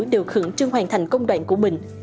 các nhà đều khưởng chân hoàn thành công đoạn của mình